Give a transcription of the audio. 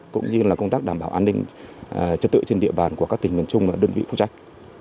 cũng như là công tác đảm bảo an ninh trật tự trên địa bàn của các tỉnh miền trung và đơn vị phụ trách